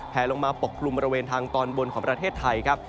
ลงมาปกกลุ่มบริเวณทางตอนบนของประเทศไทยครับ